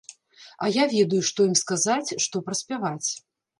А я ведаю, што ім сказаць, што праспяваць.